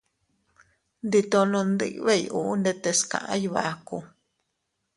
Nditono ndibey uu ndetes kaʼa Iybaku.